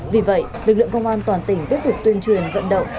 vì vậy lực lượng công an toàn tỉnh tiếp tục tuyên truyền vận động